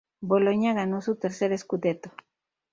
Bologna ganó su tercer "scudetto".